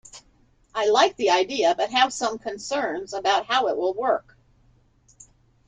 I like the idea but have some concerns about how it will work.